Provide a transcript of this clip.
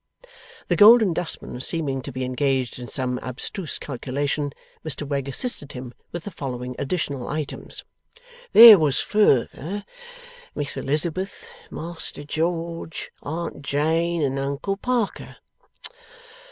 The Golden Dustman seeming to be engaged in some abstruse calculation, Mr Wegg assisted him with the following additional items. 'There was, further, Miss Elizabeth, Master George, Aunt Jane, and Uncle Parker.